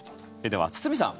では、堤さん